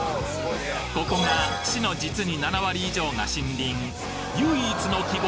ここが市の実に７割以上が森林唯一の希望